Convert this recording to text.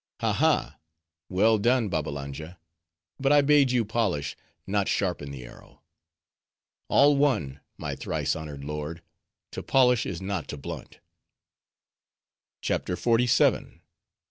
"Ha, ha!—well done, Babbalanja; but I bade you polish, not sharpen the arrow." "All one, my thrice honored lord;—to polish is not to blunt." CHAPTER XLVII.